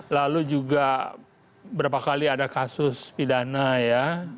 lalu juga berapa kali ada kasus pidana ya